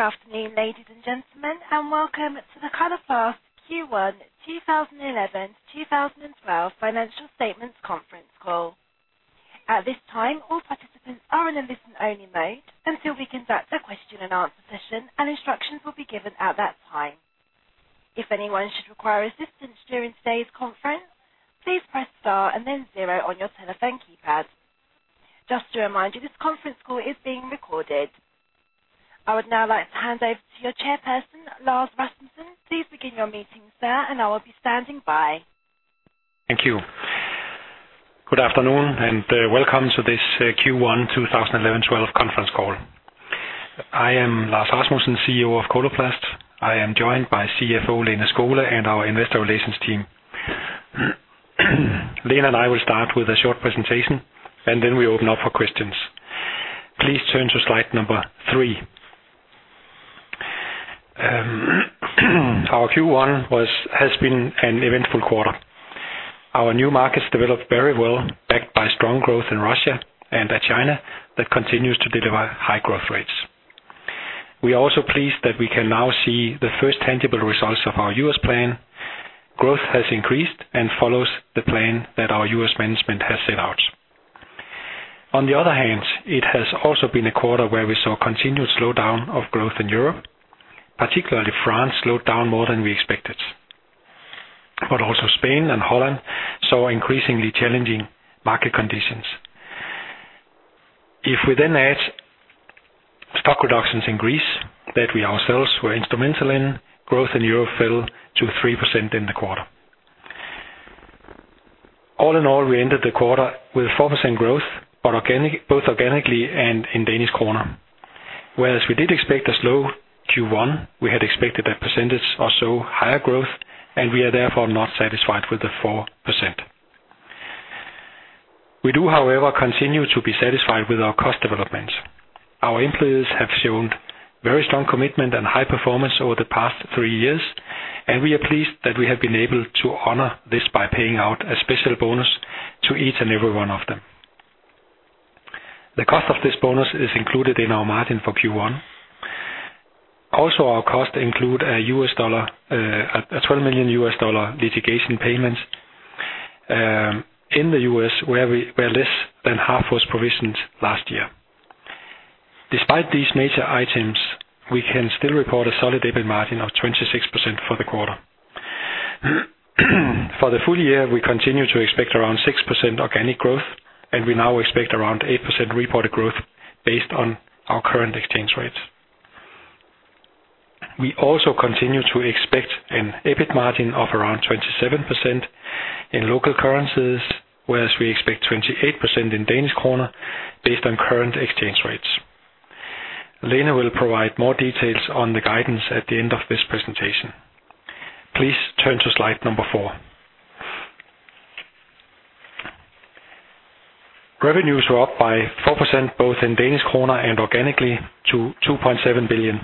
Good afternoon, ladies and gentlemen, and welcome to the Coloplast Q1 2011, 2012 financial statements conference call. At this time, all participants are in a listen-only mode, until we conduct a question and answer session, and instructions will be given at that time. If anyone should require assistance during today's conference, please press Star and then zero on your telephone keypad. Just to remind you, this conference call is being recorded. I would now like to hand over to your chairperson, Lars Rasmussen. Please begin your meeting, sir, and I will be standing by. Thank you. Good afternoon, and welcome to this Q1 2011-2012 conference call. I am Lars Rasmussen, CEO of Coloplast. I am joined by CFO Lene Skole and our investor relations team. Lene and I will start with a short presentation. Then we open up for questions. Please turn to slide number three. Our Q1 has been an eventful quarter. Our new markets developed very well, backed by strong growth in Russia and by China, that continues to deliver high growth rates. We are also pleased that we can now see the first tangible results of our U.S. plan. Growth has increased and follows the plan that our U.S. management has set out. It has also been a quarter where we saw continued slowdown of growth in Europe, particularly France, slowed down more than we expected. Also Spain and Holland saw increasingly challenging market conditions. We then add stock reductions in Greece, that we ourselves were instrumental in, growth in Europe fell to 3% in the quarter. All in all, we ended the quarter with 4% growth, both organically and in Danish kroner. We did expect a slow Q1, we had expected a 1% or so higher growth, and we are therefore not satisfied with the 4%. We do, however, continue to be satisfied with our cost development. Our employees have shown very strong commitment and high performance over the past three years, and we are pleased that we have been able to honor this by paying out a special bonus to each and every one of them. The cost of this bonus is included in our margin for Q1. Also, our costs include a US dollar... A $12 million U.S. dollar litigation payment in the U.S., where less than half was provisioned last year. Despite these major items, we can still report a solid EBIT margin of 26% for the quarter. For the full year, we continue to expect around 6% organic growth. We now expect around 8% reported growth based on our current exchange rates. We also continue to expect an EBIT margin of around 27% in local currencies, whereas we expect 28% in Danish kroner based on current exchange rates. Lene will provide more details on the guidance at the end of this presentation. Please turn to slide number 4. Revenues were up by 4%, both in Danish kroner and organically, to 2.7 billion.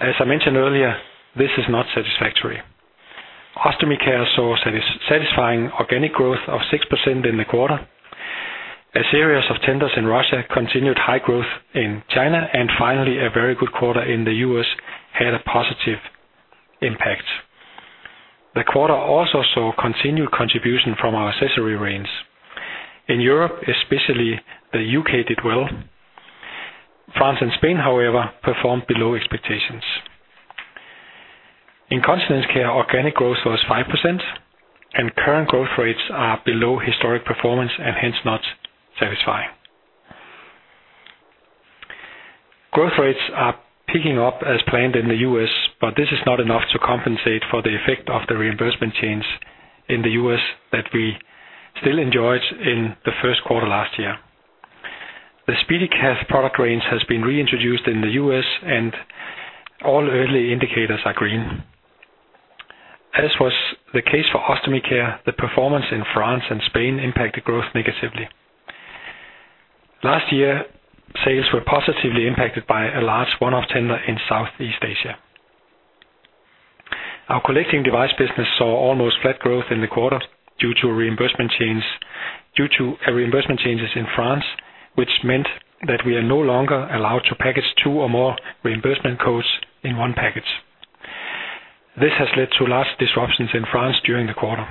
As I mentioned earlier, this is not satisfactory. ostomy care saw a satisfying organic growth of 6% in the quarter. A series of tenders in Russia, continued high growth in China, finally, a very good quarter in the U.S., had a positive impact. The quarter also saw continued contribution from our accessory range. In Europe, especially the U.K., did well. France and Spain, however, performed below expectations. In continence care, organic growth was 5%, current growth rates are below historic performance and hence not satisfying. Growth rates are picking up as planned in the U.S., this is not enough to compensate for the effect of the reimbursement change in the U.S. that we still enjoyed in the first quarter last year. The SpeediCath product range has been reintroduced in the U.S., all early indicators are green. As was the case for ostomy care, the performance in France and Spain impacted growth negatively. Last year, sales were positively impacted by a large one-off tender in Southeast Asia. Our collecting device business saw almost flat growth in the quarter due to a reimbursement changes in France, which meant that we are no longer allowed to package two or more reimbursement codes in one package. This has led to large disruptions in France during the quarter.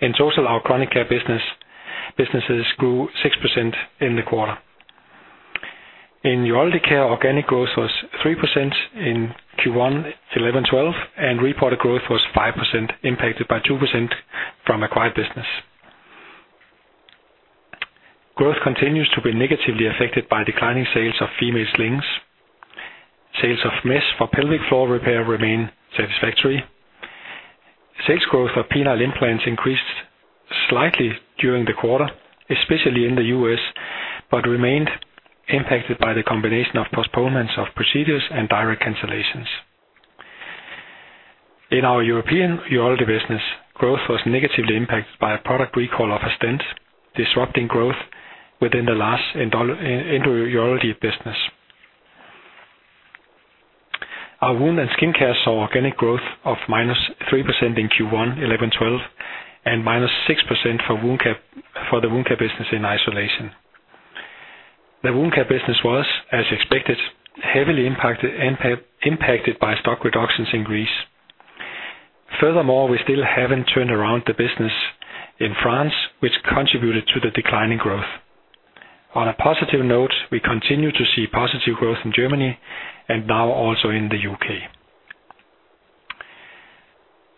In total, our chronic care businesses grew 6% in the quarter. In urology care, organic growth was 3% in Q1, eleven-twelve, and reported growth was 5%, impacted by 2% from acquired business. Growth continues to be negatively affected by declining sales of female slings. Sales of mesh for pelvic floor repair remain satisfactory. Sales growth of penile implants increased slightly during the quarter, especially in the U.S., but remained impacted by the combination of postponements of procedures and direct cancellations. In our European Urology business, growth was negatively impacted by a product recall of a stent, disrupting growth within the last endourology business. Our wound and skin care saw organic growth of -3% in Q1 2011-2012, and -6% for the wound care business in isolation. The wound care business was, as expected, heavily impacted by stock reductions in Greece. We still haven't turned around the business in France, which contributed to the decline in growth. On a positive note, we continue to see positive growth in Germany and now also in the U.K.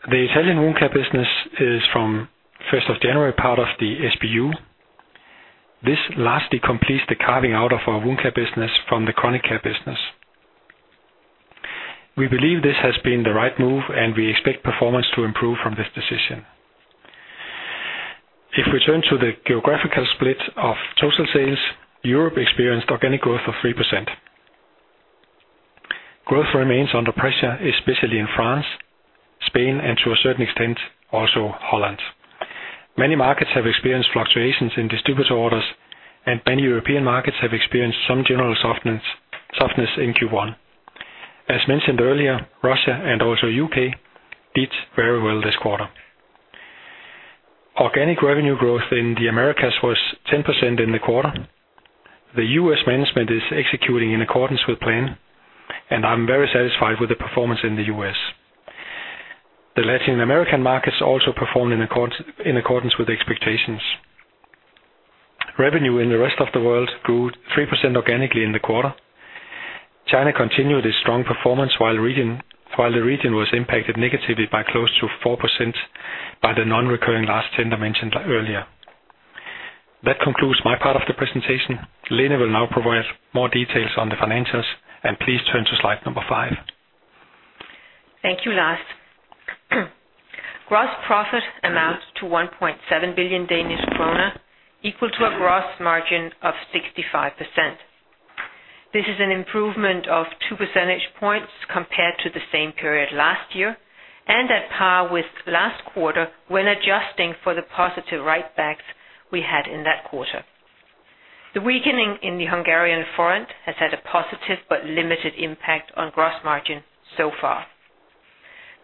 The Italian wound care business is from 1st of January, part of the SBU. This lastly completes the carving out of our wound care business from the chronic care business. We believe this has been the right move, and we expect performance to improve from this decision. If we turn to the geographical split of total sales, Europe experienced organic growth of 3%. Growth remains under pressure, especially in France, Spain, and to a certain extent, also Holland. Many markets have experienced fluctuations in distributor orders, and many European markets have experienced some general softness in Q1. As mentioned earlier, Russia and also U.K., did very well this quarter. Organic revenue growth in the Americas was 10% in the quarter. The U.S. management is executing in accordance with plan, and I'm very satisfied with the performance in the U.S. The Latin American markets also performed in accordance with expectations. Revenue in the rest of the world grew 3% organically in the quarter. China continued its strong performance, while the region was impacted negatively by close to 4% by the non-recurring last tender mentioned earlier. That concludes my part of the presentation. Lene will now provide more details on the financials. Please turn to slide number five. Thank you, Lars. Gross profit amounts to 1.7 billion Danish krone, equal to a gross margin of 65%. This is an improvement of two percentage points compared to the same period last year, at par with last quarter, when adjusting for the positive write-backs we had in that quarter. The weakening in the Hungarian forint has had a positive but limited impact on gross margin so far.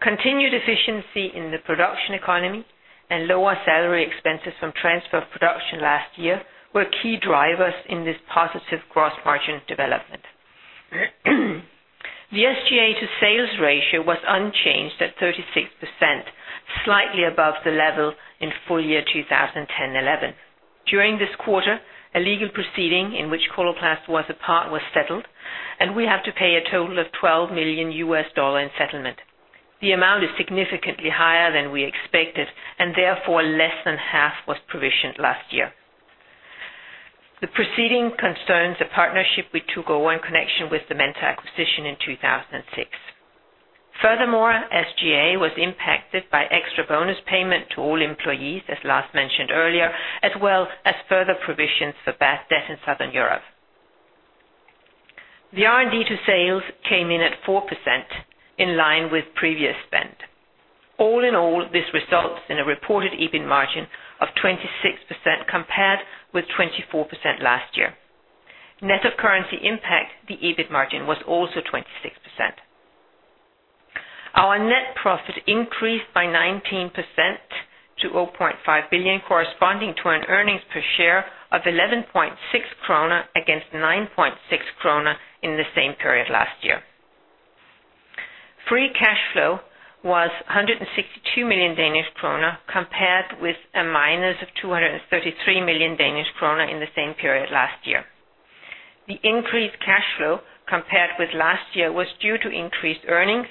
Continued efficiency in the production economy and lower salary expenses from transfer of production last year, were key drivers in this positive gross margin development. The SGA to sales ratio was unchanged at 36%, slightly above the level in full year 2010/11. During this quarter, a legal proceeding in which Coloplast was a part, was settled, we have to pay a total of $12 million in settlement. The amount is significantly higher than we expected, therefore, less than half was provisioned last year. The proceeding concerns a partnership we took on in connection with the Mentor acquisition in 2006. SGA was impacted by extra bonus payment to all employees, as Lars mentioned earlier, as well as further provisions for bad debt in Southern Europe. R&D to sales came in at 4% in line with previous spend. This results in a reported EBIT margin of 26%, compared with 24% last year. Net of currency impact, the EBIT margin was also 26%. Our net profit increased by 19% to 0.5 billion, corresponding to an earnings per share of 11.6 krone, against 9.6 krone in the same period last year. Free cash flow was 162 million Danish krone, compared with a minus of 233 million Danish krone in the same period last year. The increased cash flow compared with last year, was due to increased earnings,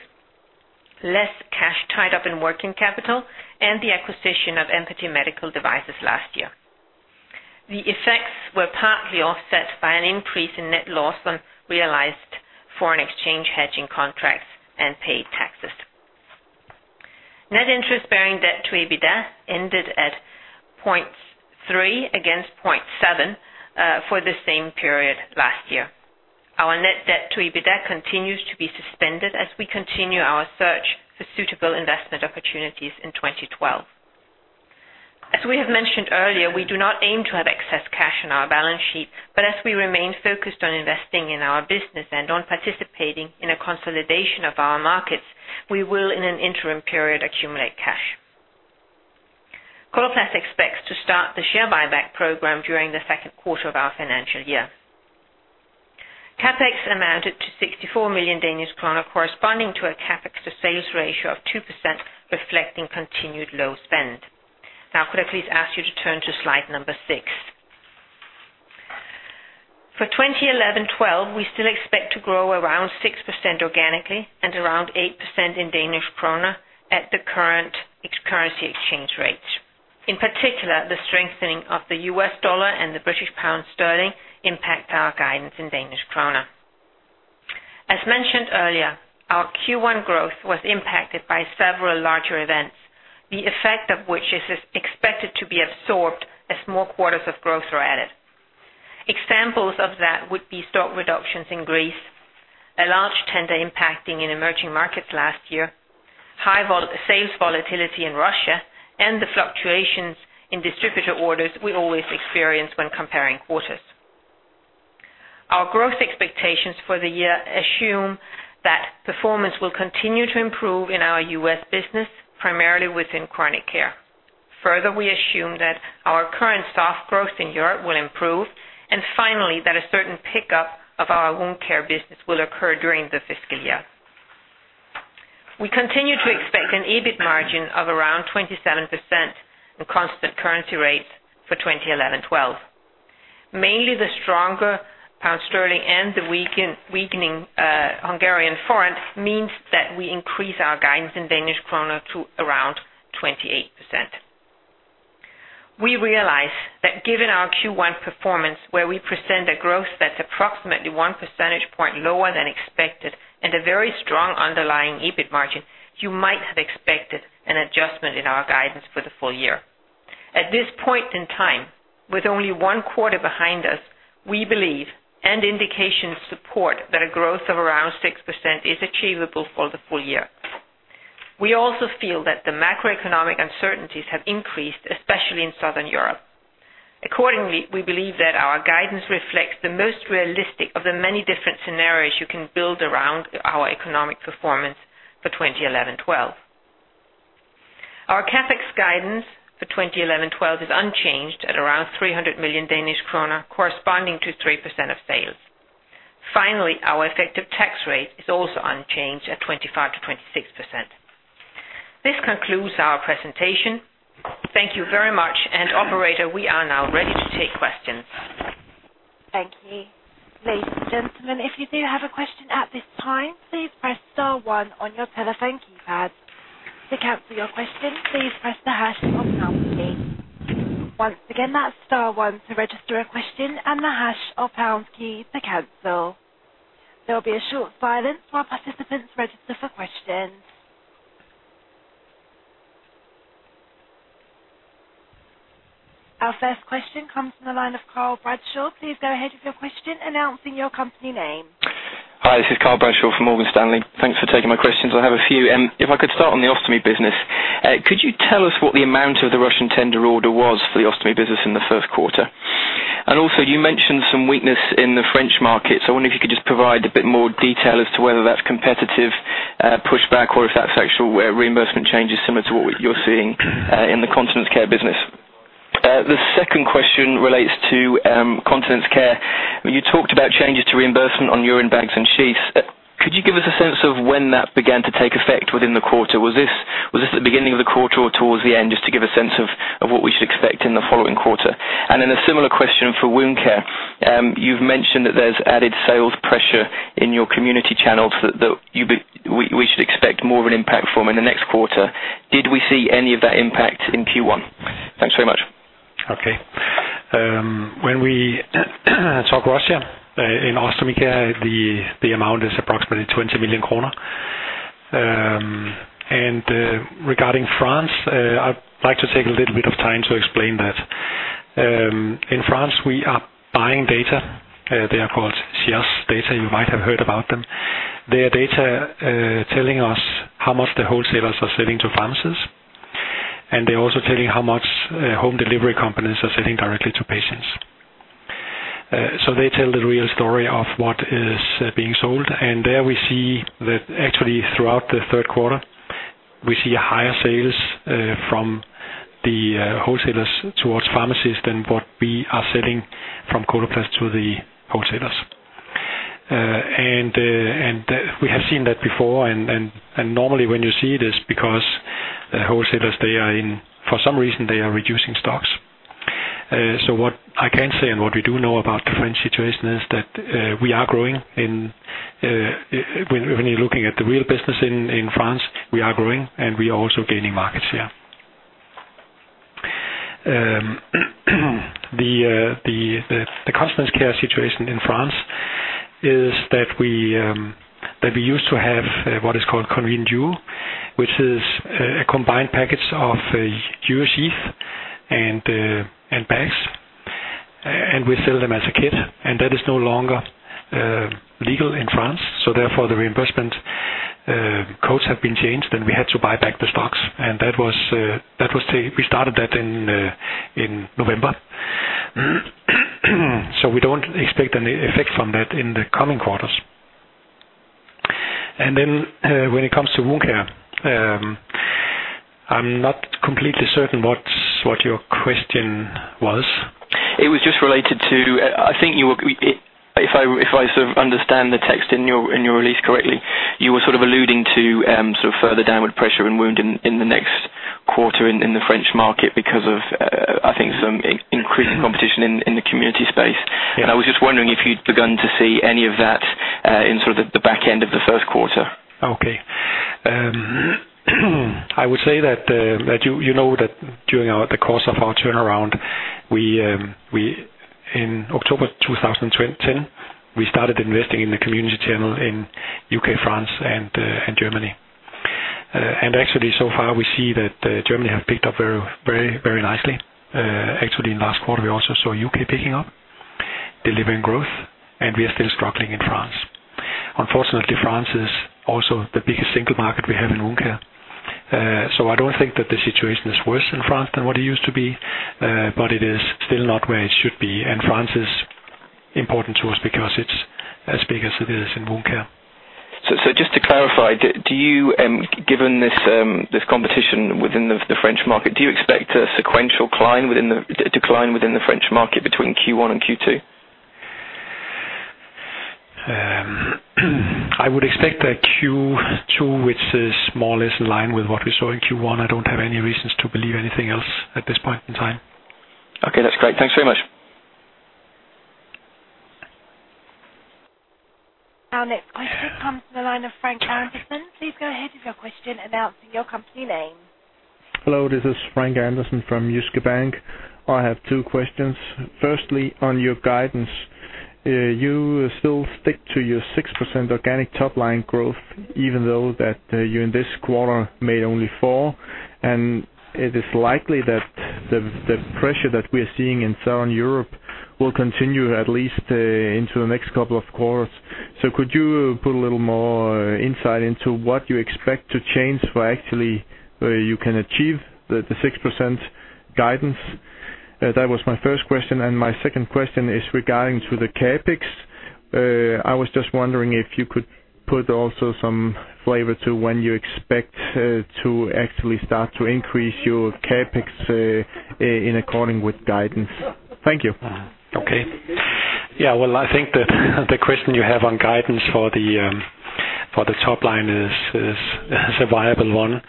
less cash tied up in working capital, and the acquisition of Mpathy Medical Devices last year. The effects were partly offset by an increase in net loss on realized foreign exchange hedging contracts and paid taxes. Net interest-bearing debt to EBITDA ended at 0.3 against 0.7 for the same period last year. Our net debt to EBITDA continues to be suspended as we continue our search for suitable investment opportunities in 2012. As we have mentioned earlier, we do not aim to have excess cash on our balance sheet, but as we remain focused on investing in our business and on participating in a consolidation of our markets, we will, in an interim period, accumulate cash. Coloplast expects to start the share buyback program during the second quarter of our financial year. CapEx amounted to 64 million Danish kroner, corresponding to a CapEx to sales ratio of 2%, reflecting continued low spend. Now, could I please ask you to turn to slide number 6? For 2011/2012, we still expect to grow around 6% organically and around 8% in Danish kroner at the current ex-currency exchange rates. In particular, the strengthening of the US dollar and the British pound sterling impact our guidance in Danish kroner. As mentioned earlier, our Q1 growth was impacted by several larger events, the effect of which is expected to be absorbed as more quarters of growth are added. Examples of that would be stock reductions in Greece, a large tender impacting in emerging markets last year, high sales volatility in Russia, and the fluctuations in distributor orders we always experience when comparing quarters. Our growth expectations for the year assume that performance will continue to improve in our U.S. business, primarily within chronic care. Further, we assume that our current soft growth in Europe will improve, and finally, that a certain pickup of our wound care business will occur during the fiscal year. We continue to expect an EBIT margin of around 27% in constant currency rates for 2011-2012. Mainly, the stronger pound sterling and the weakening Hungarian forint means that we increase our guidance in Danish kroner to around 28%. We realize that given our Q1 performance, where we present a growth that's approximately one percentage point lower than expected and a very strong underlying EBIT margin, you might have expected an adjustment in our guidance for the full year. At this point in time, with only one quarter behind us, we believe, and indications support, that a growth of around 6% is achievable for the full year. We also feel that the macroeconomic uncertainties have increased, especially in Southern Europe. We believe that our guidance reflects the most realistic of the many different scenarios you can build around our economic performance for 2011-2012. Our CapEx guidance for 2011-2012 is unchanged at around 300 million Danish kroner, corresponding to 3% of sales. Our effective tax rate is also unchanged at 25%-26%. This concludes our presentation. Thank you very much. Operator, we are now ready to take questions. Thank you. Ladies and gentlemen, if you do have a question at this time, please press star one on your telephone keypad. To cancel your question, please press the hash or pound key. Once again, that's star one to register a question, and the hash or pound key to cancel. There will be a short silence while participants register for questions. Our first question comes from the line of Karl Bradshaw. Please go ahead with your question, announcing your company name. Hi, this is Karl Bradshaw from Morgan Stanley. Thanks for taking my questions. I have a few, and if I could start on the ostomy business. Could you tell us what the amount of the Russian tender order was for the ostomy business in the first quarter? Also, you mentioned some weakness in the French market, so I wonder if you could just provide a bit more detail as to whether that's competitive, pushback, or if that's actual reimbursement changes similar to what you're seeing in the continence care business. The second question relates to, continence care. When you talked about changes to reimbursement on urine bags and sheaths, could you give us a sense of when that began to take effect within the quarter? Was this the beginning of the quarter or towards the end, just to give a sense of what we should expect in the following quarter? A similar question for wound care. You've mentioned that there's added sales pressure in your community channels that we should expect more of an impact from in the next quarter. Did we see any of that impact in Q1? Thanks very much. Okay. When we talk Russia, in ostomy care, the amount is approximately 20 million kroner. Regarding France, I'd like to take a little bit of time to explain that. In France, we are buying data. They are called CS data. You might have heard about them. Their data telling us how much the wholesalers are selling to pharmacists, they're also telling how much home delivery companies are selling directly to patients. They tell the real story of what is being sold, there we see that actually throughout the third quarter, we see a higher sales from the wholesalers towards pharmacies than what we are selling from Coloplast to the wholesalers. We have seen that before, and normally when you see it, is because the wholesalers, they are in, for some reason, they are reducing stocks. What I can say, and what we do know about the French situation, is that we are growing. In when you're looking at the real business in France, we are growing, and we are also gaining market share. The continence care situation in France is that we that we used to have what is called Conveen Duo, which is a combined package of duo sheath and bags, and we sell them as a kit, and that is no longer legal in France, so therefore, the reimbursement codes have been changed, and we had to buy back the stocks, and that was that was the... We started that in November. We don't expect any effect from that in the coming quarters. Then, when it comes to wound care, I'm not completely certain what's, what your question was. It was just related to, I think you were, if I sort of understand the text in your, in your release correctly, you were sort of alluding to, sort of further downward pressure in wound in the next quarter in the French market because of, I think, some increasing competition in the community space. Yeah. I was just wondering if you'd begun to see any of that in sort of the back end of the first quarter. Okay. I would say that, you know that during the course of our turnaround, we in October 2010, we started investing in the community channel in U.K., France, and in Germany. Actually, so far, we see that Germany have picked up very, very, very nicely. Actually, in last quarter, we also saw U.K. picking up, delivering growth, and we are still struggling in France. Unfortunately, France is also the biggest single market we have in wound care. I don't think that the situation is worse in France than what it used to be, but it is still not where it should be, and France is important to us because it's as big as it is in wound care. Just to clarify, do you, given this competition within the French market, do you expect a sequential decline within the French market between Q1 and Q2? I would expect a Q2, which is more or less in line with what we saw in Q1. I don't have any reasons to believe anything else at this point in time. Okay, that's great. Thanks very much. Our next question comes from the line of Frank Andersen. Please go ahead with your question, announcing your company name. Hello, this is Frank Andersen from Jyske Bank. I have two questions. Firstly, on your guidance, you still stick to your 6% organic top line growth, even though that you in this quarter made only 4%, and it is likely that the pressure that we're seeing in Southern Europe will continue at least into the next couple of quarters. Could you put a little more insight into what you expect to change for actually you can achieve the 6% guidance? That was my first question. My second question is regarding to the CapEx. I was just wondering if you could put also some flavor to when you expect to actually start to increase your CapEx in according with guidance. Thank you. Okay. Yeah, well, I think that the question you have on guidance for the top line is a viable one.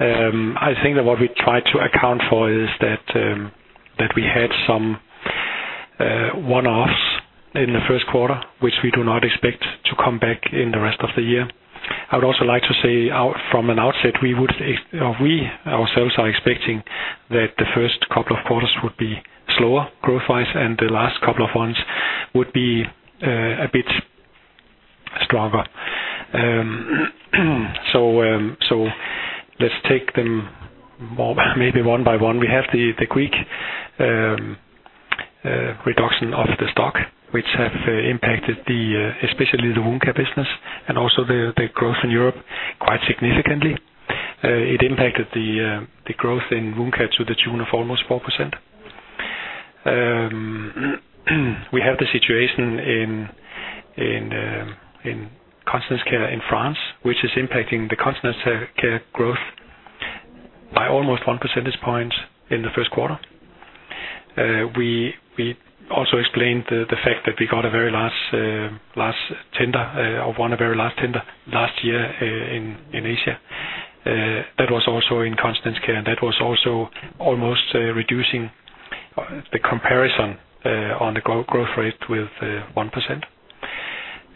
I think that what we tried to account for is that we had some one-offs in the first quarter, which we do not expect to come back in the rest of the year. I would also like to say out, from an outset, we ourselves are expecting that the first couple of quarters would be slower growth-wise, and the last couple of ones would be a bit stronger. Let's take them more, maybe one by one. We have the quick reduction of the stock, which have impacted the, especially the wound care business and also the growth in Europe quite significantly. It impacted the growth in wound care to the tune of almost 4%. We have the situation in continence care in France, which is impacting the continence care growth by almost one percentage point in the first quarter. We also explained the fact that we got a very large tender or won a very large tender last year in Asia. That was also in continence care, and that was also almost reducing the comparison on the growth rate with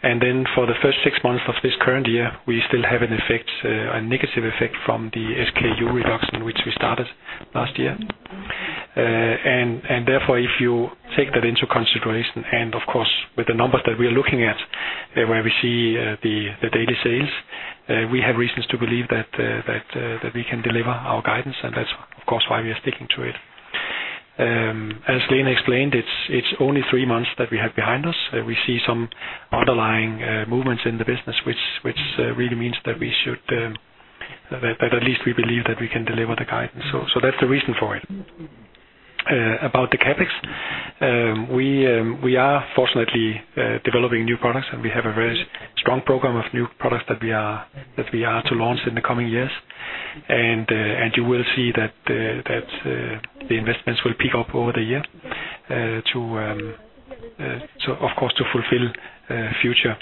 1%. Then for the first six months of this current year, we still have an effect, a negative effect from the SKU reduction, which we started last year. Therefore, if you take that into consideration, and of course, with the numbers that we are looking at, where we see the daily sales, we have reasons to believe that we can deliver our guidance, and that's, of course, why we are sticking to it. As Lene explained, it's only three months that we have behind us. We see some underlying movements in the business, which really means that at least we believe that we can deliver the guidance. That's the reason for it. About the CapEx, we are fortunately developing new products, and we have a very strong program of new products that we are to launch in the coming years. You will see that the investments will pick up over the year, so of course, to fulfill future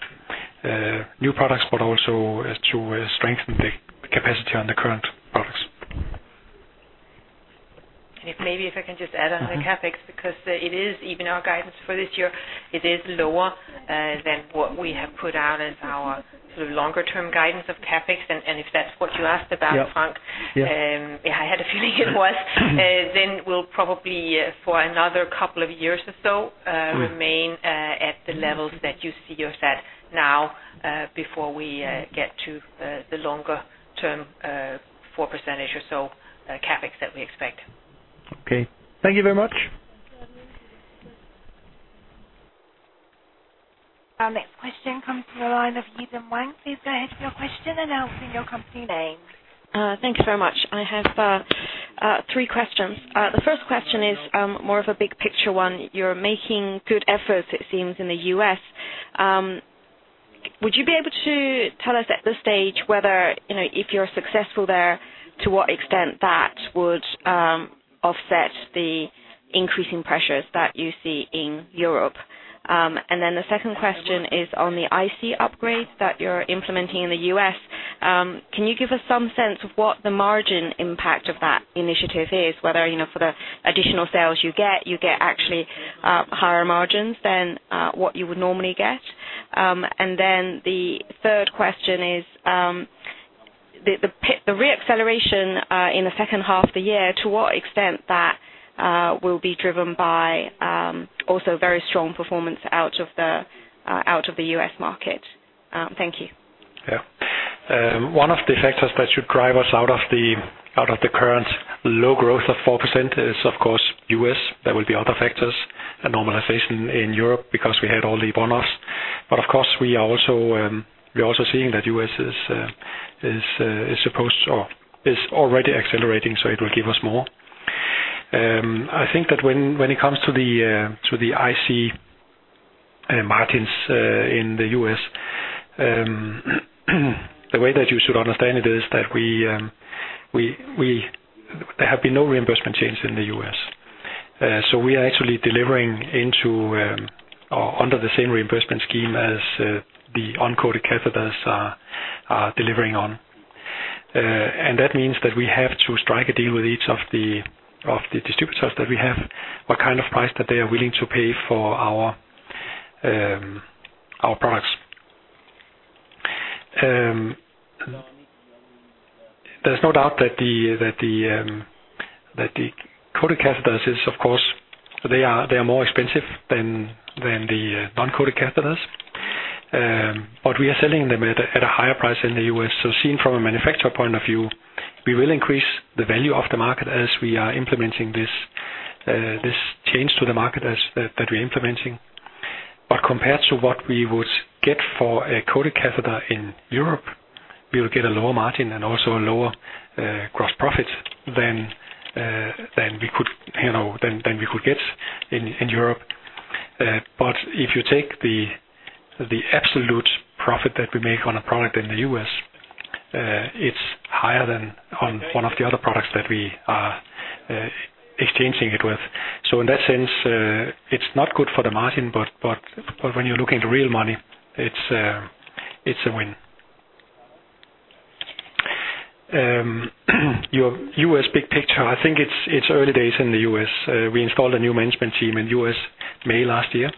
new products, but also as to strengthen the capacity on the current products. If maybe if I can just add on the CapEx, because, it is even our guidance for this year, it is lower, than what we have put out as our sort of longer term guidance of CapEx. If that's what you asked about, Frank? Yeah. Yeah, I had a feeling it was. We'll probably, for another couple of years or so. Mm. - remain at the levels that you see us at now, before we get to the longer term, 4% or so, CapEx that we expect. Okay. Thank you very much. Our next question comes from the line of Yi-Dan Wang. Please go ahead with your question, announcing your company name. Thank you very much. I have three questions. The first question is more of a big picture one. You're making good efforts, it seems, in the U.S. Would you be able to tell us at this stage whether, you know, if you're successful there, to what extent that would offset the increasing pressures that you see in Europe? The second question is on the IC upgrade that you're implementing in the U.S., can you give us some sense of what the margin impact of that initiative is? Whether, you know, for the additional sales you get, you get actually higher margins than what you would normally get. The third question is, the re-acceleration in the second half of the year, to what extent that will be driven by also very strong performance out of the out of the U.S. market? Thank you. Yeah. One of the factors that should drive us out of the current low growth of 4% is, of course, U.S. There will be other factors, a normalization in Europe because we had all the bonuses. Of course, we are also seeing that U.S. is supposed or is already accelerating, so it will give us more. I think that when it comes to the IC and margins in the U.S., the way that you should understand it is that we, there have been no reimbursement changes in the U.S. So we are actually delivering into or under the same reimbursement scheme as the uncoated catheters are delivering on. That means that we have to strike a deal with each of the distributors that we have, what kind of price that they are willing to pay for our products. There's no doubt that the coated catheters is, of course, they are more expensive than the uncoated catheters. We are selling them at a higher price in the U.S. Seen from a manufacturer point of view, we will increase the value of the market as we are implementing this change to the market as we're implementing. Compared to what we would get for a coated catheter in Europe, we will get a lower margin and also a lower gross profit than we could, you know, than we could get in Europe. If you take the absolute profit that we make on a product in the U.S., it's higher than on one of the other products that we are exchanging it with. In that sense, it's not good for the margin, but when you're looking at real money, it's a win. Your U.S. big picture, I think it's early days in the U.S. We installed a new management team in U.S., May last year.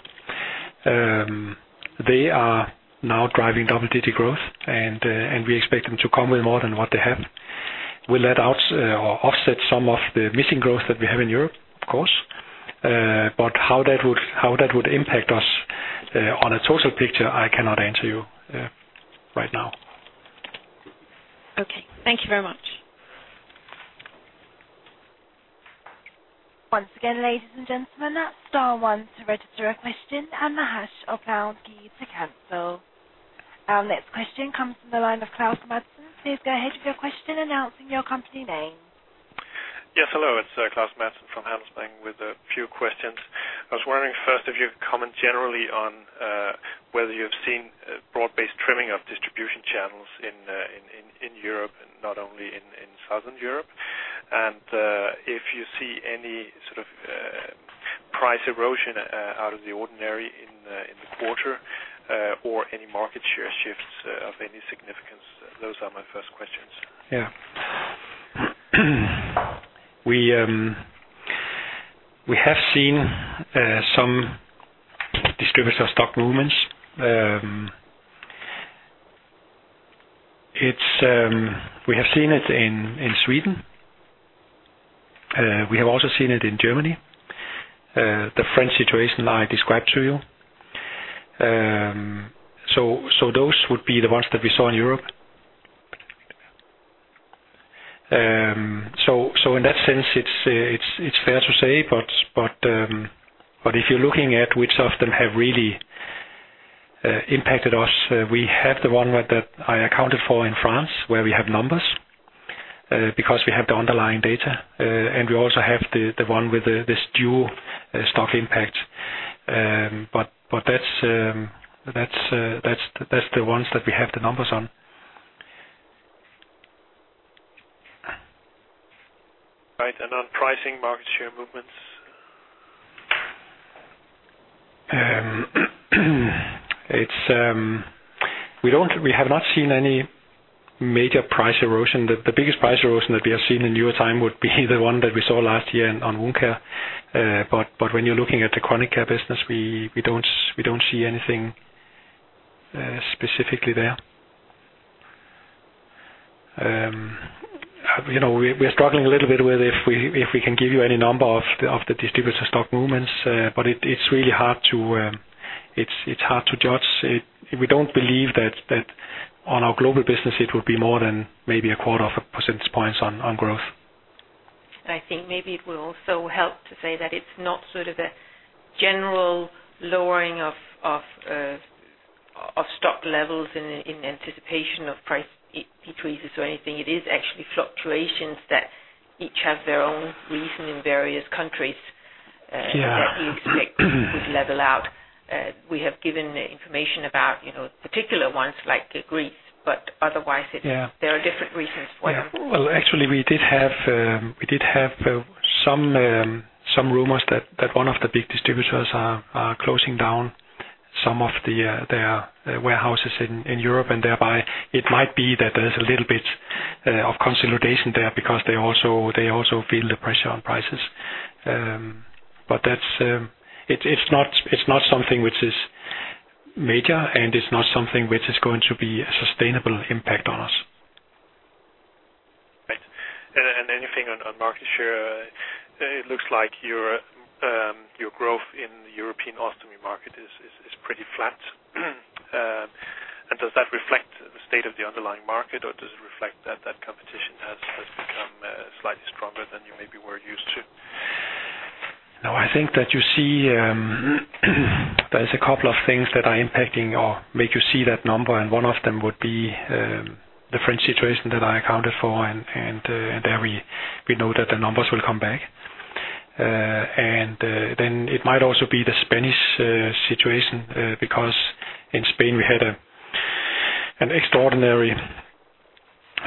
They are now driving double-digit growth, and we expect them to come with more than what they have. We let out or offset some of the missing growth that we have in Europe, of course. How that would impact us on a total picture, I cannot answer you right now. Okay, thank you very much. Once again, ladies and gentlemen, at star one to register a question and the hash or pound key to cancel. Our next question comes from the line of Klaus Madsen. Please go ahead with your question, announcing your company name. Yes, hello, it's Klaus Madsen from Handelsbanken with a few questions. I was wondering, first, if you could comment generally on whether you've seen a broad-based trimming of distribution channels in Europe and not only in Southern Europe? If you see any sort of price erosion out of the ordinary in the quarter, or any market share shifts of any significance. Those are my first questions. Yeah. We have seen some distributor stock movements. We have seen it in Sweden. We have also seen it in Germany, the French situation I described to you. Those would be the ones that we saw in Europe. In that sense, it's fair to say, but if you're looking at which of them have really impacted us, we have the one that I accounted for in France, where we have numbers, because we have the underlying data, and we also have the one with this dual stock impact. That's the ones that we have the numbers on. Right. On pricing, market share movements? It's, we have not seen any major price erosion. The biggest price erosion that we have seen in newer time would be the one that we saw last year on wound care. When you're looking at the chronic care business, we don't see anything specifically there. You know, we're struggling a little bit with if we can give you any number of the distributor stock movements, it's really hard to, it's hard to judge. We don't believe that on our global business, it will be more than maybe a quarter of percentage points on growth. I think maybe it will also help to say that it's not sort of a general lowering of, of stock levels in anticipation of price decreases or anything. It is actually fluctuations that each have their own reason in various countries. Yeah. that we expect would level out. We have given information about, you know, particular ones like Greece, but otherwise. Yeah. There are different reasons for them. Well, actually, we did have some rumors that one of the big distributors are closing down some of their warehouses in Europe, and thereby, it might be that there's a little bit of consolidation there because they also feel the pressure on prices. That's it's not something which is major, and it's not something which is going to be a sustainable impact on us.... on market share, it looks like your growth in the European ostomy market is pretty flat. Does that reflect the state of the underlying market, or does it reflect that competition has become slightly stronger than you maybe were used to? No, I think that you see, there's a couple of things that are impacting or make you see that number, and one of them would be, the French situation that I accounted for, and there we know that the numbers will come back. It might also be the Spanish situation, because in Spain, we had an extraordinary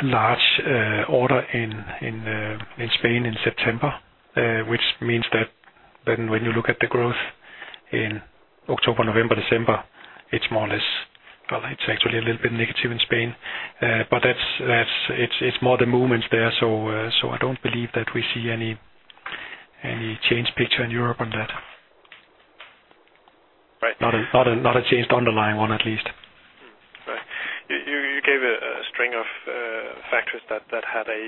large order in Spain in September. Which means that then when you look at the growth in October, November, December, it's well, it's actually a little bit negative in Spain. That's, it's more the movements there, so I don't believe that we see any changed picture in Europe on that. Right. Not a, not a, not a changed underlying one, at least. Right. You gave a string of factors that had a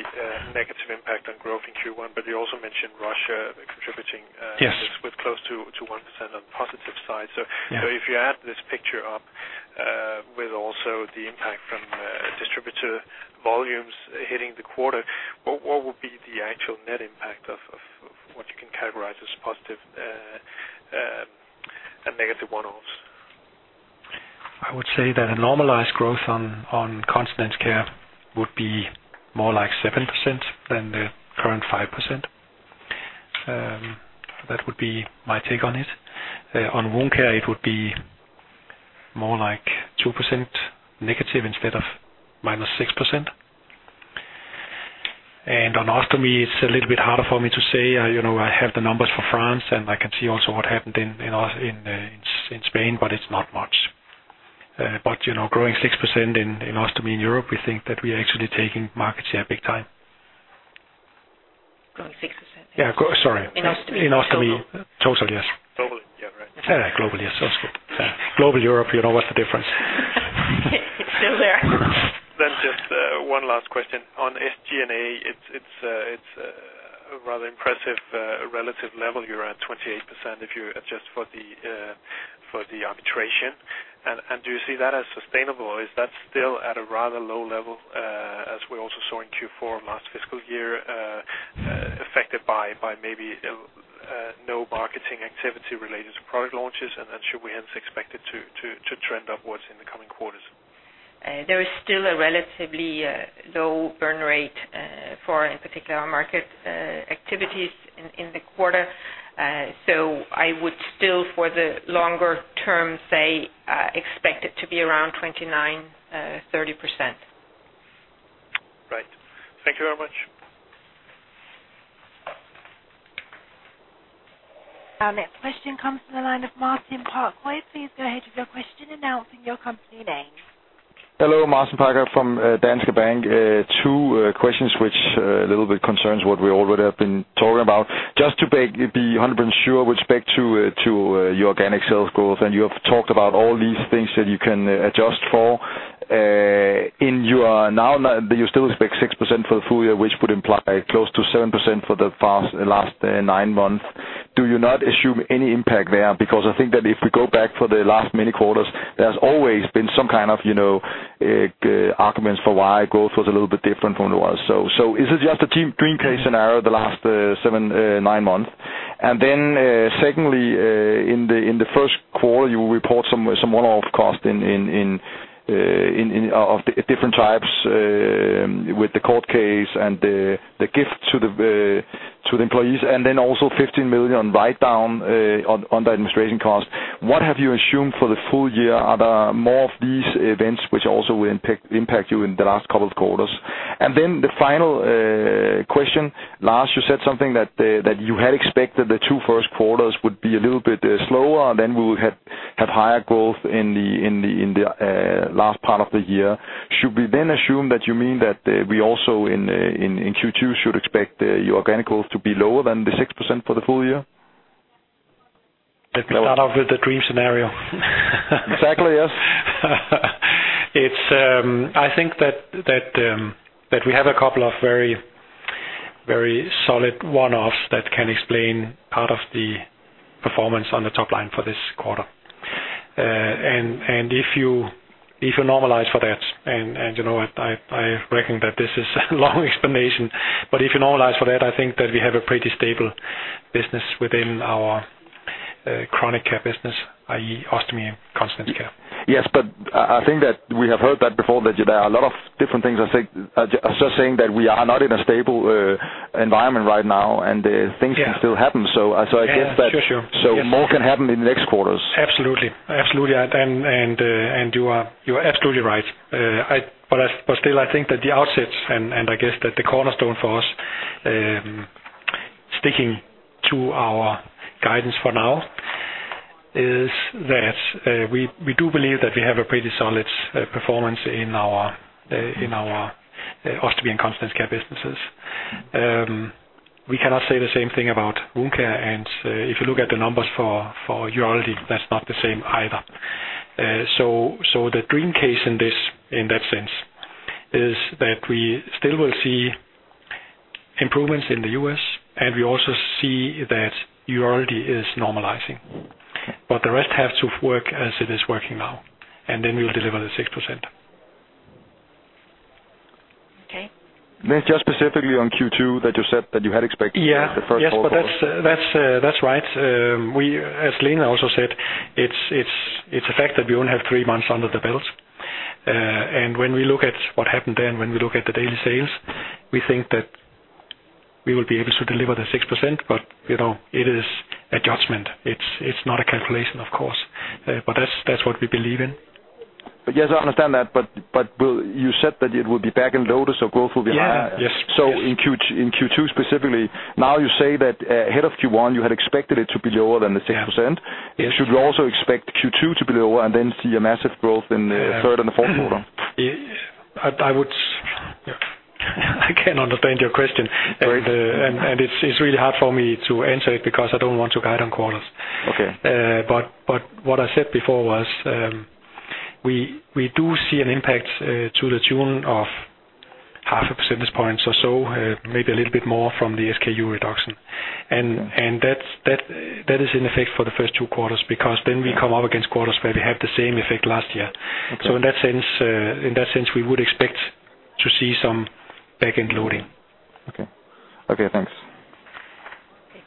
negative impact on growth in Q1, but you also mentioned Russia contributing. Yes with close to 1% on the positive side. Yeah. If you add this picture up, with also the impact from distributor volumes hitting the quarter, what would be the actual net impact of what you can characterize as positive and negative one-offs? I would say that a normalized growth on continence care would be more like 7% than the current 5%. That would be my take on it. On wound care, it would be more like 2% negative instead of minus 6%. On ostomy, it's a little bit harder for me to say. you know, I have the numbers for France, and I can see also what happened in Spain, but it's not much. you know, growing 6% in ostomy in Europe, we think that we are actually taking market share big time. Growing 6%? Yeah, sorry. In ostomy. In ostomy. Total, yes. Total, yeah, right. Yeah, global, yes. That's good. Yeah. Global, Europe, you know, what's the difference? It's still there. Just one last question. On SG&A, it's a rather impressive relative level. You're at 28% if you adjust for the arbitration. Do you see that as sustainable, or is that still at a rather low level, as we also saw in Q4 of last fiscal year, affected by maybe no marketing activity related to product launches? Should we hence expect it to trend upwards in the coming quarters? There is still a relatively low burn rate for, in particular, market activities in the quarter. I would still, for the longer term, say, expect it to be around 29-30%. Right. Thank you very much. Our next question comes from the line of Martin Parkhøi. Please go ahead with your question, announcing your company name. Hello, Martin Parkhøi from Danske Bank. Two questions which a little bit concerns what we already have been talking about. Just to be 100% sure with respect to your organic sales growth, and you have talked about all these things that you can adjust for. In your now, do you still expect 6% for the full year, which would imply close to 7% for the past last nine months? Do you not assume any impact there? I think that if we go back for the last many quarters, there's always been some kind of, you know, arguments for why growth was a little bit different from what it was. Is it just a dream case scenario, the last seven, nine months? Secondly, in the first quarter, you will report some one-off cost of the different types, with the court case and the gift to the employees, also 15 million write-down on the administration cost. What have you assumed for the full year? Are there more of these events which also will impact you in the last couple of quarters? The final question. Lars, you said something that you had expected the two first quarters would be a little bit slower, we would have higher growth in the last part of the year. Should we assume that you mean that we also in Q2 should expect your organic growth to be lower than the 6% for the full year? Let me start off with the dream scenario. Exactly, yes. I think that we have a couple of very, very solid one-offs that can explain part of the performance on the top line for this quarter. If you normalize for that, and, you know what? I reckon that this is a long explanation, but if you normalize for that, I think that we have a pretty stable business within our chronic care business, i.e., ostomy and continence care. I think that we have heard that before, that there are a lot of different things. I think I'm just saying that we are not in a stable environment right now. Yeah things can still happen. I guess that... Yeah, sure. More can happen in the next quarters. Absolutely. Absolutely, you are absolutely right. I, but still, I think that the outset, and I guess that the cornerstone for us, sticking to our guidance for now, is that we do believe that we have a pretty solid performance in our ostomy and continence care businesses. We cannot say the same thing about wound care. If you look at the numbers for urology care, that's not the same either. The dream case in this, in that sense, is that we still will see improvements in the U.S. We also see that Euro already is normalizing. The rest has to work as it is working now. Then we'll deliver the 6%. Okay. Just specifically on Q2, that you said that you had expected the first quarter? Yes, but that's right. We, as Lena also said, it's a fact that we only have three months under the belt. When we look at what happened then, when we look at the daily sales, we think that we will be able to deliver the 6%, but, you know, it is a judgment. It's not a calculation, of course, but that's what we believe in. Yes, I understand that, but you said that it would be back end loaded, so growth will be higher. Yeah. Yes. In Q2 specifically, now you say that, ahead of Q1, you had expected it to be lower than the 6%. Yeah. Yes. Should we also expect Q2 to be lower and then see a massive growth in the third and the fourth quarter? I can't understand your question. Great. It's really hard for me to answer it because I don't want to guide on quarters. Okay. What I said before was, we do see an impact to the tune of half a percentage point or so, maybe a little bit more from the SKU reduction. That's, that is in effect for the first two quarters, because then we come up against quarters where we have the same effect last year. Okay. In that sense, we would expect to see some back end loading. Okay. Okay, thanks.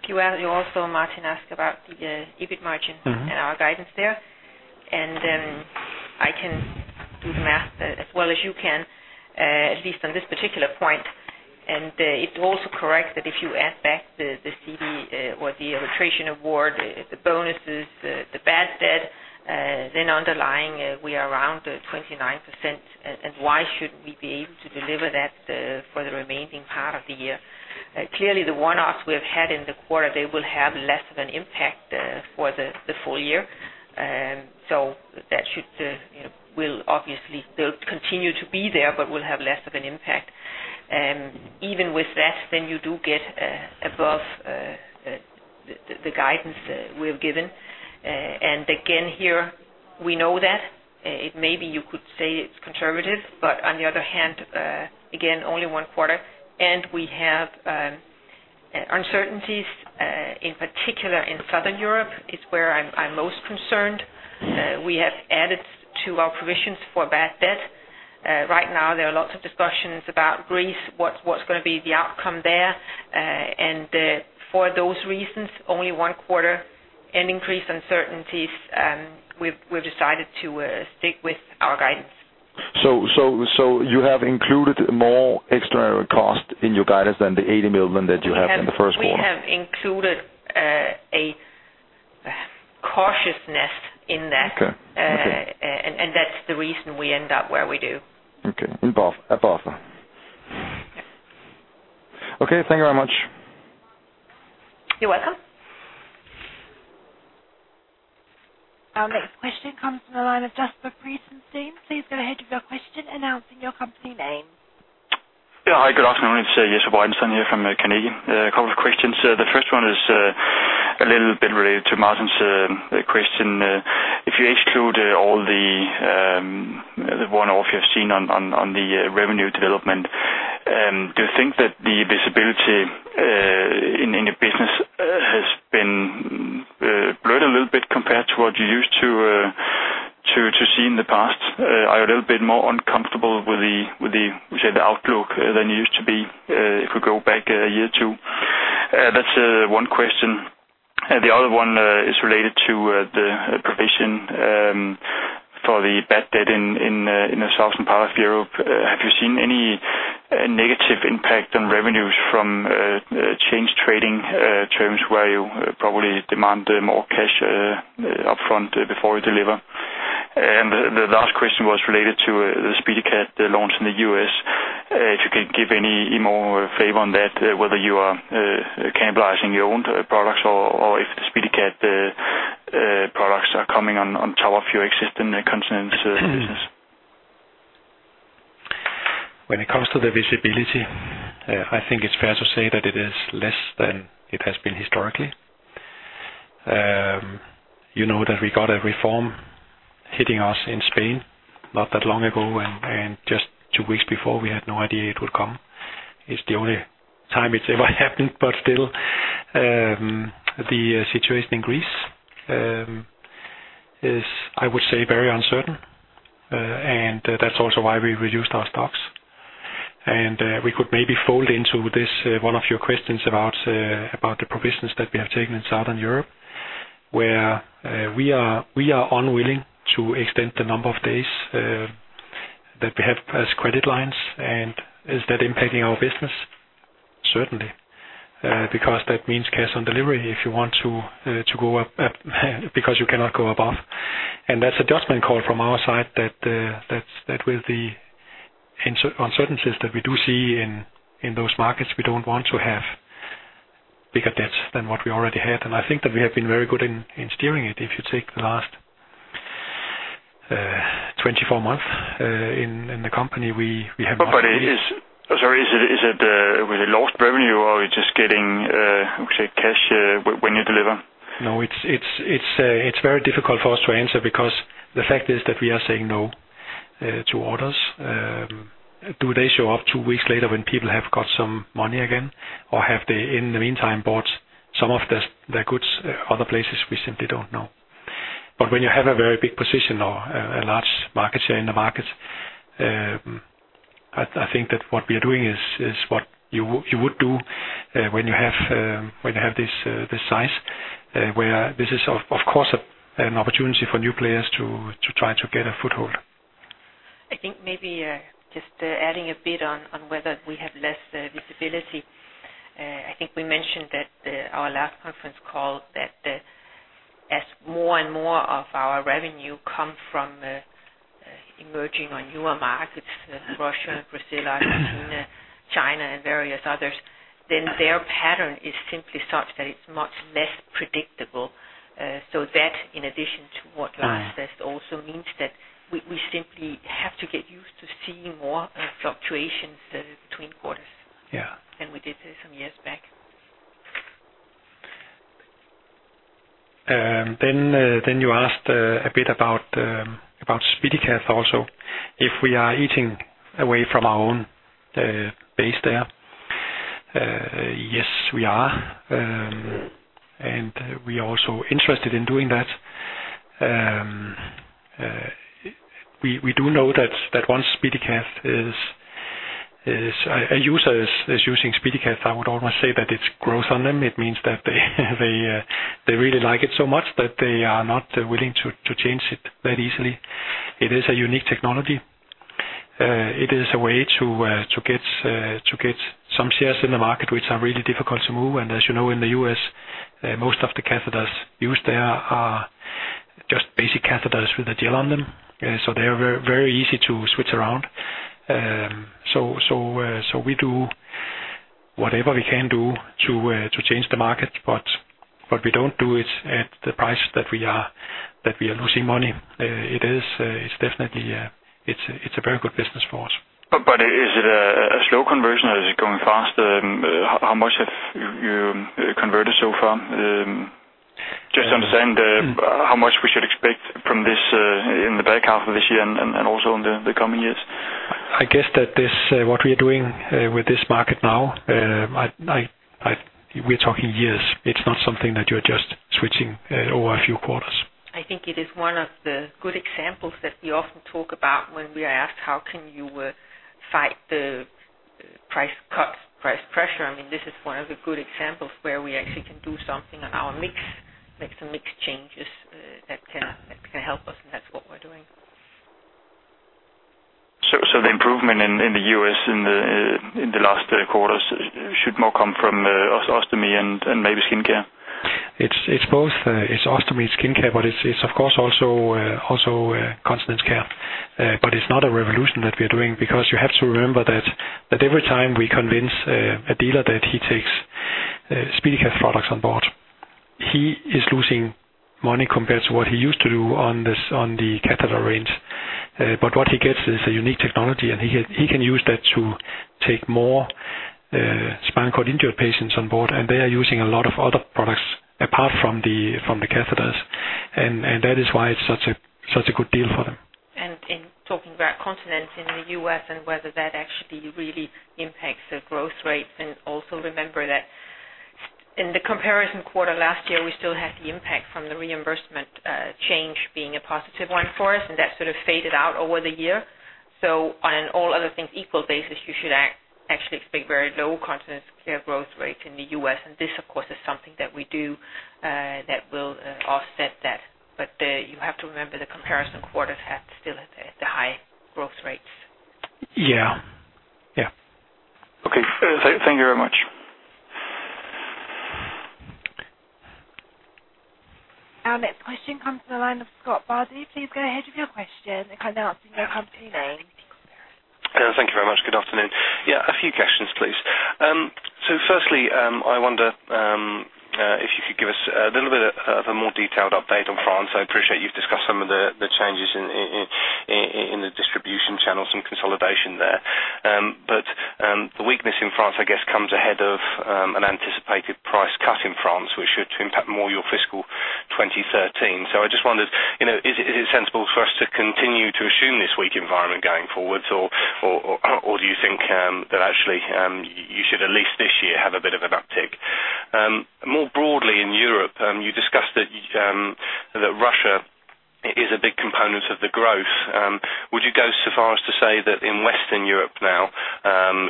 Q1, you also, Martin, asked about the EBIT margin. Mm-hmm. Our guidance there, I can do the math as well as you can, at least on this particular point. It's also correct that if you add back the CD or the arbitration award, the bonuses, the bad debt, then underlying, we are around 29%, and why should we be able to deliver that for the remaining part of the year? Clearly, the one-offs we have had in the quarter, they will have less of an impact for the full year. That should, you know, will obviously, they'll continue to be there, but will have less of an impact. Even with that, then you do get above the guidance that we have given. Again, here, we know that it may be you could say it's conservative, but on the other hand, again, only one quarter, and we have uncertainties in particular in Southern Europe, it's where I'm most concerned. We have added to our provisions for bad debt. Right now, there are lots of discussions about Greece, what's going to be the outcome there. For those reasons, only one quarter and increased uncertainties, we've decided to stick with our guidance. You have included more extra cost in your guidance than the 80 million that you have in the first quarter? We have included a cautiousness in that. Okay. Okay. That's the reason we end up where we do. Okay. at both. Yes. Okay, thank you very much. You're welcome. Our next question comes from the line of Jesper Breitenstein. Please go ahead with your question, announcing your company name. Yeah, hi, good afternoon. It's Jesper Breitenstein here from Carnegie. A couple of questions. The first one is a little bit related to Martin's question. If you exclude all the one-off you have seen on the revenue development, do you think that the visibility in your business has been blurred a little bit compared to what you're used to see in the past? Are you a little bit more uncomfortable with the, say, the outlook than you used to be, if we go back a year or two? That's one question. The other one is related to the provision for the bad debt in the southern part of Europe. Have you seen any negative impact on revenues from changed trading terms, where you probably demand more cash upfront before you deliver? The last question was related to the SpeediCath launch in the US. If you could give any more favor on that, whether you are cannibalizing your own products or if the SpeediCath products are coming on top of your existing continence care business. When it comes to the visibility, I think it's fair to say that it is less than it has been historically. You know, that we got a reform hitting us in Spain not that long ago, and just two weeks before, we had no idea it would come. It's the only time it's ever happened, but still, the situation in Greece is, I would say, very uncertain, and that's also why we reduced our stocks. We could maybe fold into this, one of your questions about the provisions that we have taken in Southern Europe, where, we are unwilling to extend the number of days, that we have as credit lines, and is that impacting our business? Certainly, because that means cash on delivery, if you want to go up, because you cannot go above. That's a judgment call from our side, that with the uncertainties that we do see in those markets, we don't want to have bigger debts than what we already had. I think that we have been very good in steering it. If you take the last 24 months in the company, we have. Sorry, is it with a lost revenue, or are you just getting, Okay, cash when you deliver? No, it's very difficult for us to answer because the fact is that we are saying no to orders. Do they show up two weeks later when people have got some money again? Or have they, in the meantime, bought some of the goods other places? We simply don't know. When you have a very big position or a large market share in the market, I think that what we are doing is what you would do when you have this size, where this is of course an opportunity for new players to try to get a foothold. I think maybe, just adding a bit on whether we have less visibility. I think we mentioned that, our last conference call, as more and more of our revenue come from, emerging on newer markets, Russia, Brazil, Argentina, China, and various others, then their pattern is simply such that it's much less predictable. That in addition to what Lars said, also means that we simply have to get used to seeing more fluctuations between quarters. Yeah. We did this some years back. Then you asked a bit about about SpeediCath also, if we are eating away from our own base there. Yes, we are. We are also interested in doing that. We do know that once SpeediCath a user is using SpeediCath, I would almost say that it's growth on them. It means that they really like it so much that they are not willing to change it that easily. It is a unique technology. It is a way to get some shares in the market, which are really difficult to move. As you know, in the U.S., most of the catheters used there are just basic catheters with a gel on them, so they are very, very easy to switch around. We do whatever we can do to change the market, but we don't do it at the price that we are losing money. It is, it's definitely, it's a very good business for us. Is it a slow conversion or is it going fast? How much have you converted so far? Just understand how much we should expect from this in the back half of this year and also in the coming years. I guess that this, what we are doing, with this market now, we're talking years. It's not something that you're just switching, over a few quarters. I think it is one of the good examples that we often talk about when we are asked: How can you fight the price cuts, price pressure? I mean, this is one of the good examples where we actually can do something on our mix, make some mix changes, that can help us, and that's what we're doing. The improvement in the U.S. in the last quarters should more come from ostomy and maybe skin care. It's both, it's ostomy and skin care, but it's of course, also continence care. It's not a revolution that we are doing, because you have to remember that every time we convince a dealer that he takes SpeediCath products on board, he is losing money compared to what he used to do on the catheter range. What he gets is a unique technology, and he can use that to take more spinal cord injury patients on board, and they are using a lot of other products apart from the catheters, and that is why it's such a good deal for them. In talking about continence in the U.S. and whether that actually really impacts the growth rates, and also remember that in the comparison quarter last year, we still had the impact from the reimbursement change being a positive one for us, and that sort of faded out over the year. On an all other things equal basis, you should actually expect very low continence care growth rate in the U.S., and this, of course, is something that we do that will offset that. You have to remember, the comparison quarters had still the high growth rates. Yeah. Yeah. Okay. Thank you very much. Our next question comes from the line of Scott Bardo. Please go ahead with your question, and can now see your company name. Thank you very much. Good afternoon. Yeah, a few questions, please. Firstly, I wonder if you could give us a little bit of a more detailed update on France. I appreciate you've discussed some of the changes in the distribution channels, some consolidation there. The weakness in France, I guess, comes ahead of an anticipated price cut in France, which should impact more your fiscal 2013. I just wondered, you know, is it sensible for us to continue to assume this weak environment going forward, or do you think that actually you should at least this year, have a bit of an uptick? More broadly in Europe, you discussed that Russia is a big component of the growth. Would you go so far as to say that in Western Europe now,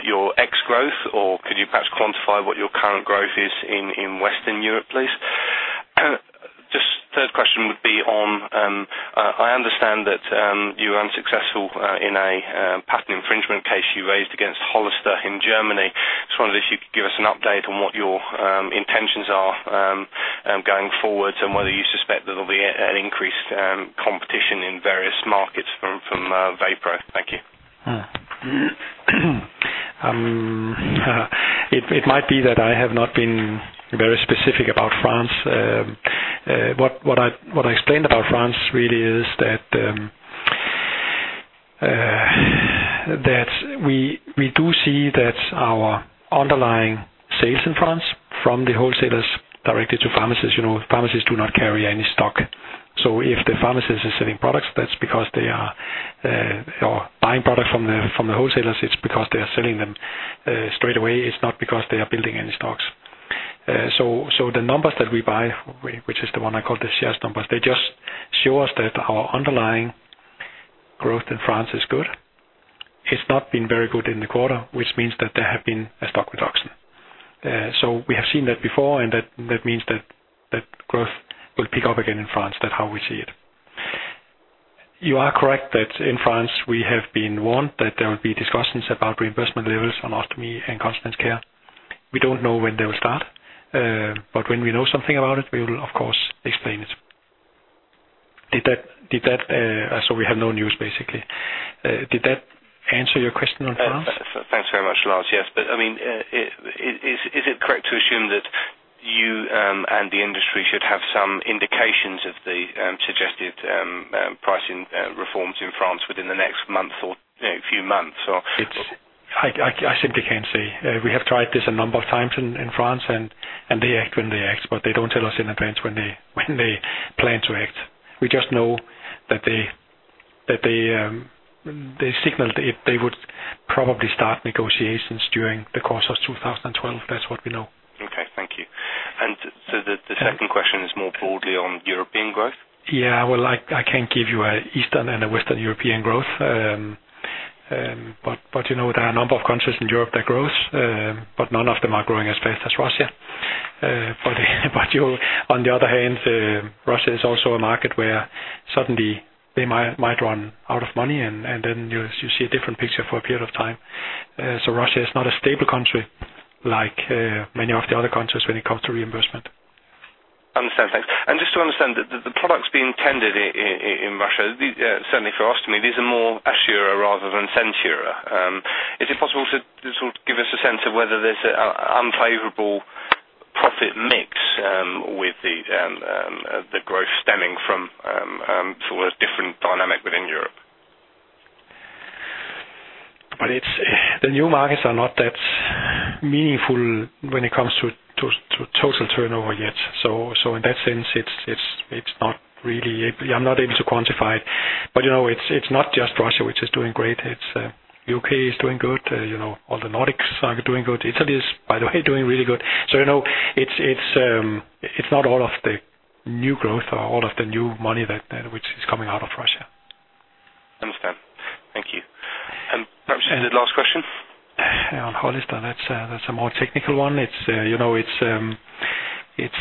your ex growth, or could you perhaps quantify what your current growth is in Western Europe, please? Just third question would be on, I understand that you were unsuccessful, in a patent infringement case you raised against Hollister in Germany. Just wondered if you could give us an update on what your intentions are going forward, and whether you suspect there'll be an increased competition in various markets from VaPro? Thank you. It might be that I have not been very specific about France. What I explained about France really is that we do see that our underlying sales in France, from the wholesalers directly to pharmacists, you know, pharmacists do not carry any stock. If the pharmacist is selling products, that's because they are or buying product from the wholesalers, it's because they are selling them straight away. It's not because they are building any stocks. So the numbers that we buy, which is the one I call the shares numbers, they just show us that our underlying growth in France is good. It's not been very good in the quarter, which means that there have been a stock reduction. We have seen that before, and that means that growth will pick up again in France. That's how we see it. You are correct that in France, we have been warned that there will be discussions about reimbursement levels on ostomy and continence care. We don't know when they will start, but when we know something about it, we will of course, explain it. Did that so we have no news, basically. Did that answer your question on France? Thanks very much, Lars. I mean, is it correct to assume that you and the industry should have some indications of the suggested pricing reforms in France within the next month or, you know, few months, or? I simply can't say. We have tried this a number of times in France, and they act when they act, but they don't tell us in advance when they, when they plan to act. We just know that they, that they signaled they would probably start negotiations during the course of 2012. That's what we know. Okay, thank you. The second question is more broadly on European growth. Yeah, well, I can give you a Eastern and a Western European growth. You know, there are a number of countries in Europe that grows, but none of them are growing as fast as Russia. On the other hand, Russia is also a market where suddenly they might run out of money, and then you see a different picture for a period of time. Russia is not a stable country, like many of the other countries when it comes to reimbursement. Understand. Thanks. Just to understand, the products being tended in Russia, certainly for ostomy care, these are more Assura rather than SenSura. Is it possible to sort of give us a sense of whether there's a unfavorable profit mix with the growth stemming from sort of different dynamic within Europe? Well, the new markets are not that meaningful when it comes to total turnover yet. In that sense, it's not really, I'm not able to quantify it. You know, it's not just Russia, which is doing great. U.K. is doing good. You know, all the Nordics are doing good. Italy is, by the way, doing really good. You know, it's not all of the new growth or all of the new money which is coming out of Russia. Understand. Thank you. Perhaps the last question? On Hollister, that's a more technical one. It's, you know, it's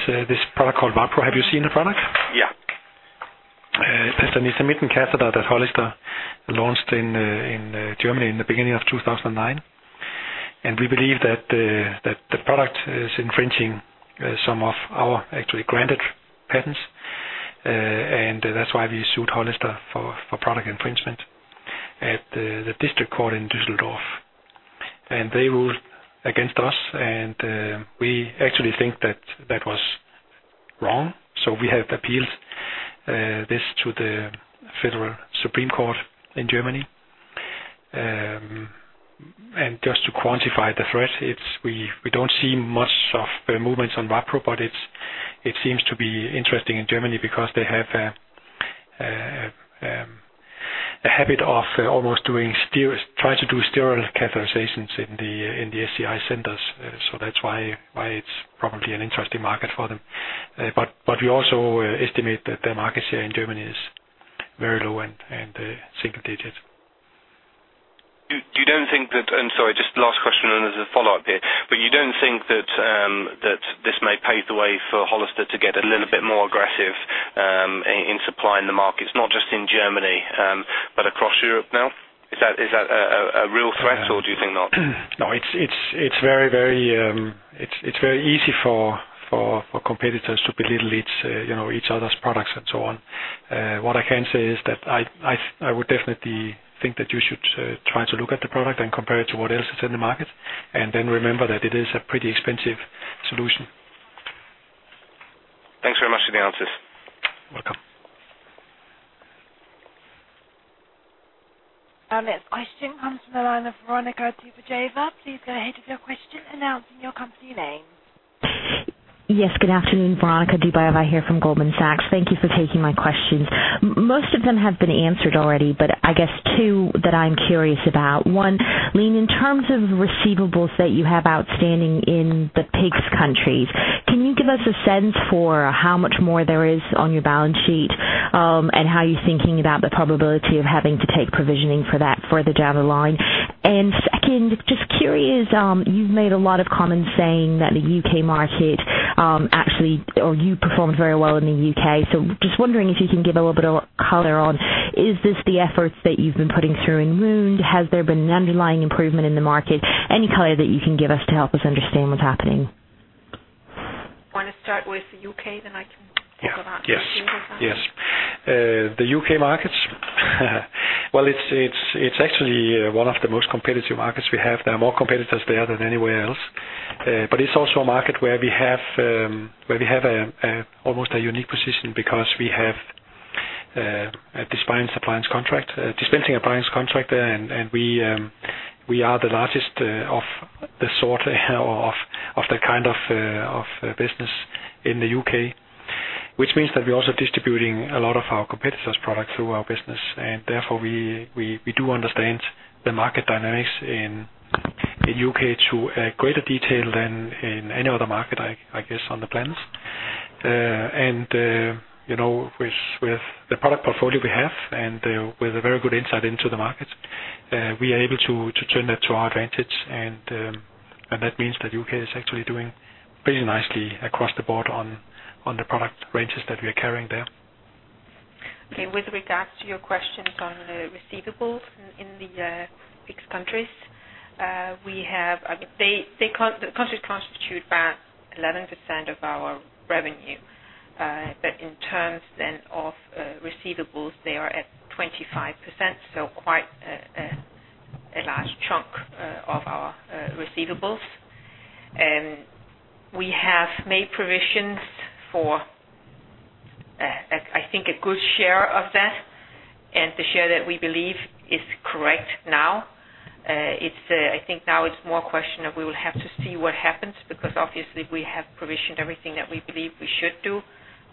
this product called VaPro. Have you seen the product? Yeah. It's a mitten catheter that Hollister launched in Germany in the beginning of 2009. We believe that the product is infringing some of our actually granted patents, and that's why we sued Hollister for product infringement at the district court in Düsseldorf, and they ruled against us, and we actually think that that was wrong. We have appealed this to the Federal Court of Justice in Germany. Just to quantify the threat, it's we don't see much of movements on VaPro, but it seems to be interesting in Germany because they have a habit of almost trying to do sterile catheterizations in the SCI centers. That's why it's probably an interesting market for them. We also estimate that their market share in Germany is very low and single digits. I'm sorry, just last question and as a follow-up here. You don't think that this may pave the way for Hollister to get a little bit more aggressive, in supplying the markets, not just in Germany, but across Europe now? Is that a real threat, or do you think not? No, it's very easy for competitors to belittle each, you know, other's products and so on. What I can say is that I would definitely think that you should try to look at the product and compare it to what else is in the market, and then remember that it is a pretty expensive solution. Thanks very much for the answers. Welcome. Our next question comes from the line of Veronika Dubajova. Please go ahead with your question, announcing your company name. Good afternoon, Veronika Dubajova here from Goldman Sachs. Thank you for taking my questions. Most of them have been answered already, but I guess two that I'm curious about. One, lean in terms of receivables that you have outstanding in the PIGS countries, can you give us a sense for how much more there is on your balance sheet, and how you're thinking about the probability of having to take provisioning for that further down the line? Second, just curious, you've made a lot of comments saying that the U.K. market, actually, or you performed very well in the U.K. Just wondering if you can give a little bit of color on, is this the efforts that you've been putting through in wound? Has there been an underlying improvement in the market? Any color that you can give us to help us understand what's happening? Want to start with the UK. Yeah. Yes. Go on. Yes. The U.K. markets, well, it's actually one of the most competitive markets we have. There are more competitors there than anywhere else. But it's also a market where we have, where we have a almost a unique position because we have a Dispensing Appliance Contract, Dispensing Appliance Contract. We are the largest of the sort or of the kind of business in the U.K. Which means that we're also distributing a lot of our competitors' products through our business. Therefore, we do understand the market dynamics in U.K. to a greater detail than in any other market, I guess, on the plans. You know, with the product portfolio we have and with a very good insight into the market, we are able to turn that to our advantage. That means that U.K. is actually doing pretty nicely across the board on the product ranges that we are carrying there. Okay, with regards to your questions on the receivables in the fixed countries, we have the countries constitute about 11% of our revenue. In terms then of receivables, they are at 25%, so quite a large chunk of our receivables. We have made provisions for, I think, a good share of that, and the share that we believe is correct now. I think now it's more a question of we will have to see what happens, because obviously we have provisioned everything that we believe we should do.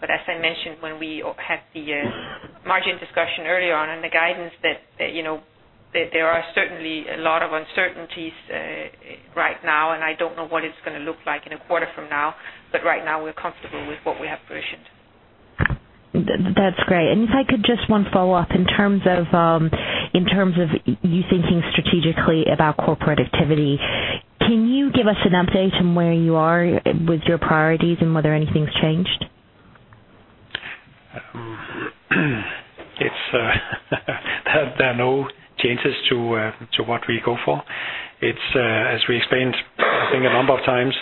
As I mentioned, when we had the margin discussion earlier on in the guidance that, you know, that there are certainly a lot of uncertainties, right now, and I don't know what it's gonna look like in a quarter from now, but right now we're comfortable with what we have provisioned. That's great. If I could just one follow-up in terms of, in terms of you thinking strategically about corporate activity, can you give us an update on where you are with your priorities and whether anything's changed? There are no changes to what we go for. It's, as we explained, I think a number of times,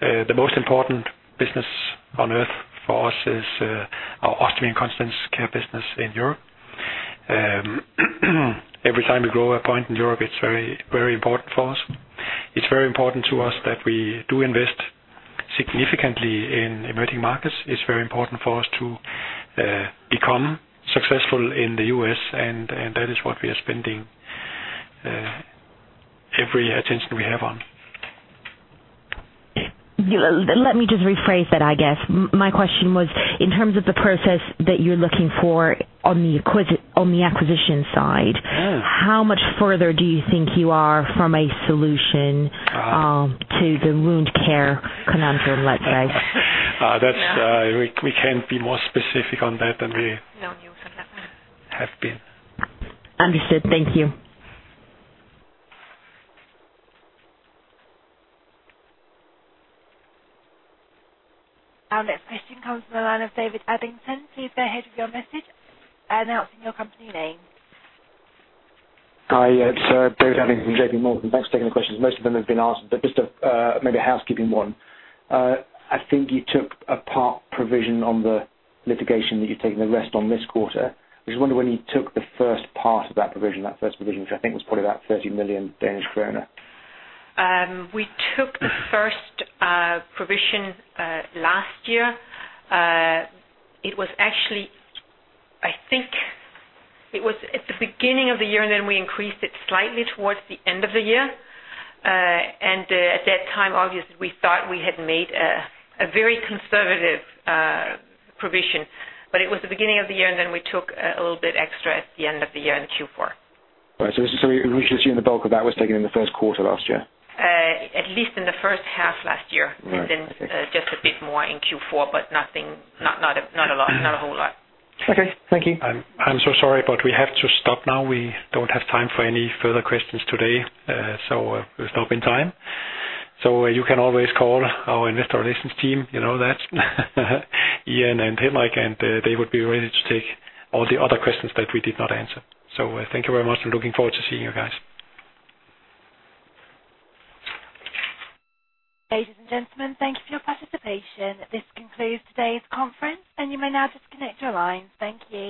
the most important business on earth for us is our ostomy and continence care business in Europe. Every time we grow a point in Europe, it's very, very important for us. It's very important to us that we do invest significantly in emerging markets. It's very important for us to become successful in the U.S., and that is what we are spending every attention we have on. Yeah. Let me just rephrase that, I guess. My question was, in terms of the process that you're looking for on the acquisition side? Yeah. How much further do you think you are from a solution, to the wound care conundrum, let's say? That's, we can't be more specific on that than we... No news on that one. Have been. Understood. Thank you. Our next question comes from the line of David Adlington. Please go ahead with your message, announcing your company name. Hi, it's David Adlington from JPMorgan. Thanks for taking the questions. Most of them have been asked, but just a, maybe a housekeeping one. I think you took a part provision on the litigation, that you're taking the rest on this quarter. Just wonder when you took the first part of that provision, which I think was probably about 30 million Danish kroner. We took the first provision last year. It was actually, I think it was at the beginning of the year, and then we increased it slightly towards the end of the year. At that time, obviously, we thought we had made a very conservative provision, but it was the beginning of the year, and then we took a little bit extra at the end of the year in Q4. Right. We should assume the bulk of that was taken in the first quarter last year? At least in the first half last year. Right. Just a bit more in Q4, but nothing, not a lot, not a whole lot. Okay, thank you. I'm so sorry, but we have to stop now. We don't have time for any further questions today, so we'll stop in time. You can always call our investor relations team, you know that, Yen and Tim, and they would be ready to take all the other questions that we did not answer. Thank you very much, and looking forward to seeing you guys. Ladies and gentlemen, thank you for your participation. This concludes today's conference. You may now disconnect your lines. Thank you.